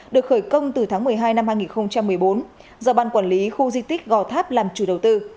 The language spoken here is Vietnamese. được khởi công từ tháng một mươi hai năm hai nghìn một mươi bốn do ban quản lý khu di tích gò tháp làm chủ đầu tư